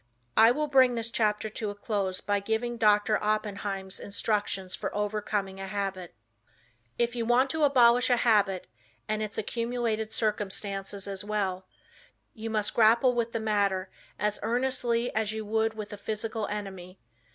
I will bring this chapter to a close by giving Doctor Oppenheim's instructions for overcoming a habit: "If you want to abolish a habit, and its accumulated circumstances as well, you must grapple with the matter as earnestly as you would with a physical enemy.